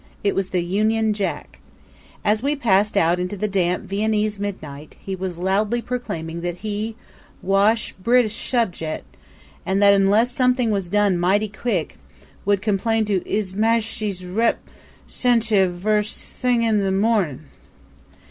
It was the Union Jack. As we passed out into the damp Viennese midnight he was loudly proclaiming that he "Was'h Bri'sh subjesch," and that unless something was done mighty quick, would complain to "Is Majeshy's rep(hic)shenativ' ver' firsch thing 'n morn'."